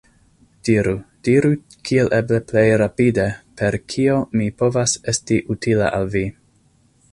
Diru, diru kiel eble plej rapide, per kio mi povas esti utila al vi!